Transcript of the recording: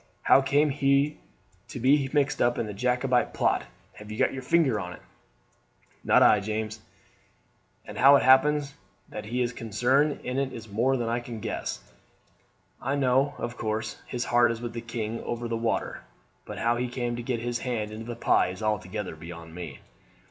How came he to be mixed up in a Jacobite plot? Have you got your finger in it?" "Not I, James; and how it happens that he is concerned in it is more than I can guess. I know, of course, his heart is with the king over the water; but how he came to get his hand into the pie is altogether beyond me."